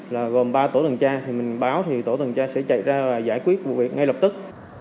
là gồm ba tổ tuần tra thì mình báo thì tổ tuần tra sẽ chạy ra và giải quyết vụ việc ngay lập tức